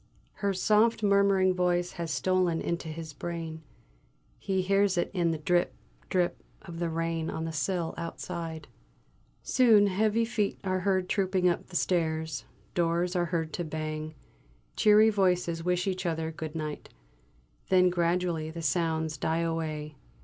Her soft murmuring voice has stolen into his brain; he hears it in the drip, drip of the rain on the sill outside. Soon heavy feet are heard trooping up the stairs; doors are heard to bang; cheery voices wish each other good night. Then gradually the sounds die away.